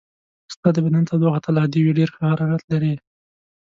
ستا د بدن تودوخه تل عادي وي، ډېر ښه حرارت لرې.